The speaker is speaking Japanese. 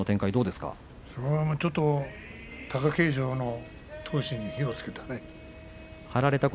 貴景勝の闘志に火をつけたね。